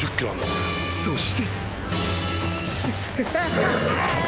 ［そして］